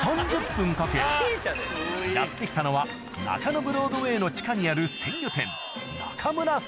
３０分かけやって来たのは中野ブロードウェイの地下にある鮮魚店